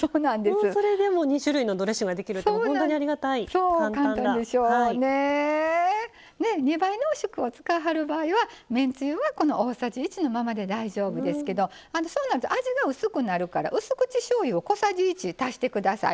それでも２種類のドレッシングができるって２倍濃縮を使いはる場合はめんつゆは大さじ１のままで大丈夫ですけどそうすると味が薄くなるからうす口しょうゆを小さじ１足してください。